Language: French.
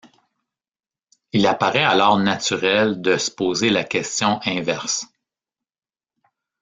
Il apparaît alors naturel de se poser la question inverse.